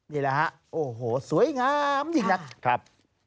นี่แหละฮะโอ้โหสวยงามยิ่งนักครับ